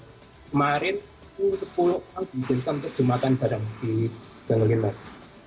kemarin sepuluh orang diizinkan untuk jumatan badan di ganggeling mas